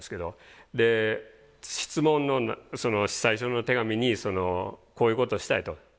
で質問のその最初の手紙にこういうことをしたいと。